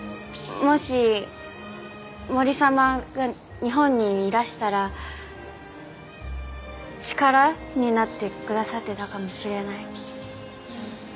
もし森様が日本にいらしたら力になってくださってたかもしれない。